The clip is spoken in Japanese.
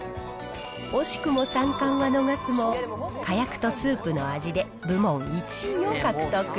惜しくも三冠は逃すも、かやくとスープの味で部門１位を獲得。